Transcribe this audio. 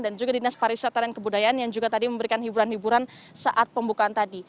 dan juga dinas pariwisata dan kebudayaan yang juga tadi memberikan hiburan hiburan saat pembukaan tadi